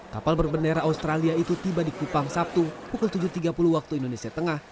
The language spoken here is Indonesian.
kapal berbendera australia itu tiba di kupang sabtu pukul tujuh tiga puluh waktu indonesia tengah